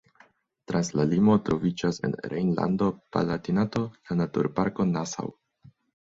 Trans la limo troviĝas en Rejnlando-Palatinato la Naturparko Nassau.